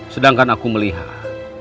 sedangkan aku melihat